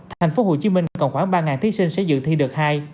thành phố hồ chí minh còn khoảng ba thí sinh sẽ dự thi đợt hai